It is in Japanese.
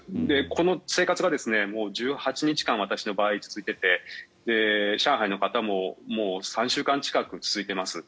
この生活が１８日間私の場合は続いていて上海の方も３週間近く続いています。